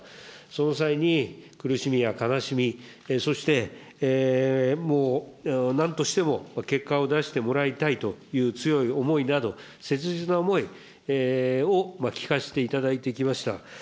その際に、苦しみや悲しみ、そして、もうなんとしても結果を出してもらいたいという強い思いなど、切実な思いを聞かせていただいてきました。